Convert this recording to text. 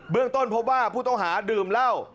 เรื่องต้นพบว่าผู้ต้องหาดื่มเหล้า